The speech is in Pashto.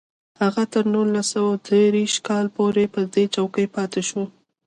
هغه تر نولس سوه دېرش کال پورې پر دې څوکۍ پاتې شو